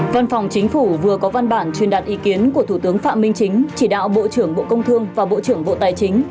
văn phòng chính phủ vừa có văn bản truyền đạt ý kiến của thủ tướng phạm minh chính chỉ đạo bộ trưởng bộ công thương và bộ trưởng bộ tài chính